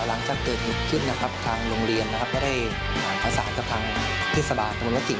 หลังจากเกิดเหตุขึ้นนะครับทางโรงเรียนนะครับก็ได้หาภาษากับทางทฤษฐาบาลกรรมวัตถิ่ง